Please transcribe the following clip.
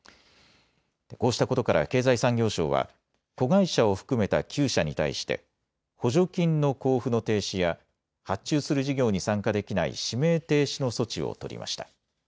こうしたことから経済産業省は子会社を含めた９社に対して補助金の交付の停止や発注する事業に参加できない指名停止の措置を取りました。